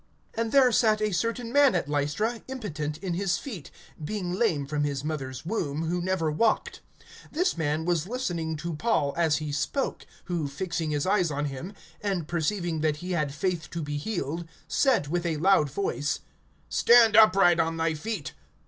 (8)And there sat a certain man at Lystra, impotent in his feet, being lame from his mother's womb, who never walked. (9)This man was listening to Paul as he spoke; who, fixing his eyes on him, and perceiving that he had faith to be healed, (10)said with a loud voice: Stand upright on thy feet.